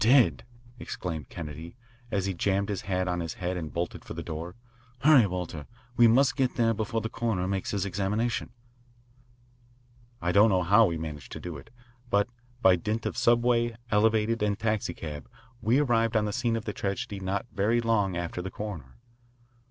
"Dead!" exclaimed Kennedy, as he jammed his hat on his head and bolted for the door. "Hurry, Walter. We must get there before the coroner makes his examination." I don't know how we managed to do it, but by dint of subway, elevated, and taxicab we arrived on the scene of the tragedy not very long after the coroner.